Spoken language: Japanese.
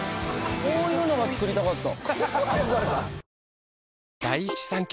こういうのが作りたかった。